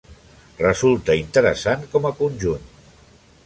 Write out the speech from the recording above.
Resulta interessant com a conjunt.